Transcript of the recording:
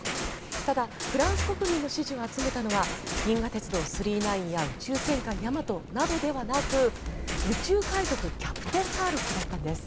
ただ、フランス国民の支持を集めたのは「銀河鉄道９９９」や「宇宙戦艦ヤマト」などではなく「宇宙海賊キャプテンハーロック」だったんです。